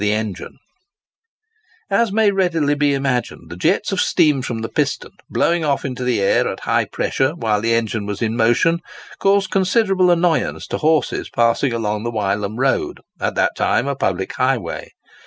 [Picture: Improved Wylam Engine] As may readily be imagined, the jets of steam from the piston, blowing off into the air at high pressure while the engine was in motion, caused considerable annoyance to horses passing along the Wylam road, at that time a public highway.